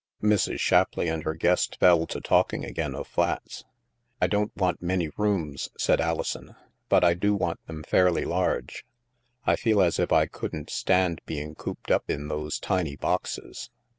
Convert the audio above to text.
Mrs. Shapleigh and her guest fell to talking again of flats. " I don't want many rooms," said Alison, " but I do want them fairly large. I feel as if I couldn't stand being cooped up in those tiny boxes.